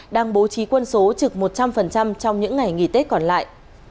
đang bố trí quân số trực một trăm linh trong những ngày nghỉ tết còn lại